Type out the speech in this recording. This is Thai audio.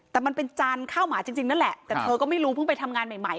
แต่มันเป็นจานข้าวหมาจริงนั่นแหละแต่เธอก็ไม่รู้เพิ่งไปทำงานใหม่